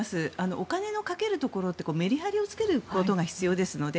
お金をかけるところってメリハリをつけることが必要ですので